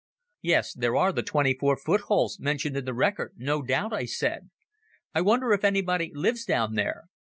"Yes, there are the `twenty four foot holes' mentioned in the record, no doubt," I said. "I wonder if anybody lives down there."